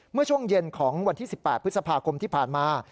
เมื่อช่วงเย็นของวันที่๑๘พฤษภาคมที่ผ่านมา